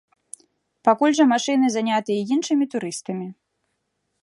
Пакуль жа машыны занятыя іншымі турыстамі.